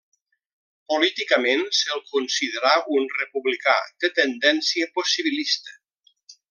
Políticament se'l considerà un republicà de tendència possibilista.